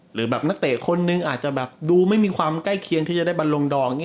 หรือหนักเตียร์คนนึงอาจจะดูไม่มีความใกล้เคียงที่จะได้บัณลงดอง